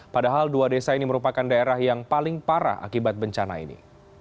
padahal dua desa ini merupakan daerah yang paling parah akibat bencana ini